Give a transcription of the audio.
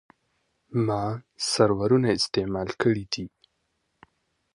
ما سرورونه استعمال کړي دي.